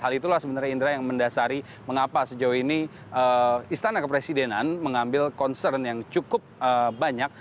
hal itulah sebenarnya indra yang mendasari mengapa sejauh ini istana kepresidenan mengambil concern yang cukup banyak